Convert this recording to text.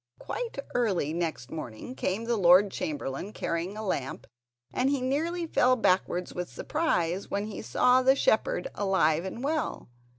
Quite early next morning came the Lord Chamberlain, carrying a lamp and he nearly fell backwards with surprise when he saw the shepherd alive and well.